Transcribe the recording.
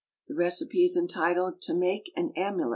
The recipe is entitled "To make an amulet."